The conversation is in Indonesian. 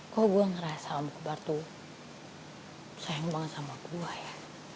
kau gue ngerasa om kobartu sayang banget sama gue ya